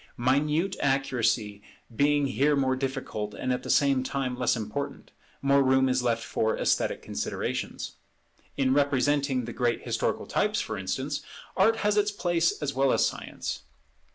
Minute accuracy being here more difficult and at the same time less important, more room is left for esthetic considerations. In representing the great historical types, for instance, Art has its place as well as Science.